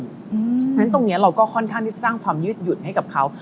เพราะฉะนั้นตรงนี้เราก็ค่อนข้างที่สร้างความยืดหยุดให้กับเขา